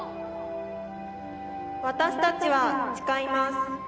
私たちは誓います。